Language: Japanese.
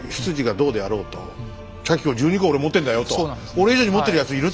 「俺以上に持ってるやついる？」